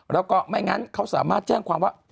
แล้วก็ไม่งั้นเขาสามารถแจ้งความว่า